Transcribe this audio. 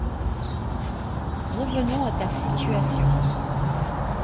Revenons à ta situation...